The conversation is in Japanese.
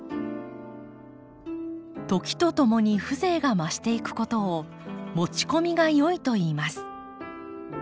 時とともに風情が増していくことを「持ち込みが良い」といいます。